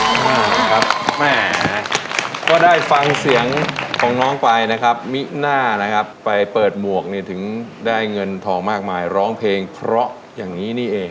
แม่ครับแม่ก็ได้ฟังเสียงของน้องไปนะครับมิน่านะครับไปเปิดหมวกเนี่ยถึงได้เงินทองมากมายร้องเพลงเพราะอย่างนี้นี่เอง